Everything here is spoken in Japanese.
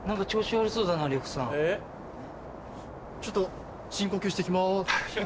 ちょっと深呼吸してきます。